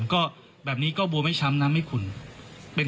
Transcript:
ทางคุณชัยธวัดก็บอกว่าการยื่นเรื่องแก้ไขมาตรวจสองเจน